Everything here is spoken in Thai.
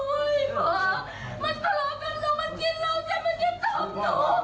มันตลอกกันแล้วมันกินแล้วมันกินตบหนู